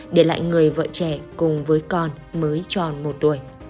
để lại người vợ trẻ cùng với con mới tròn một tuổi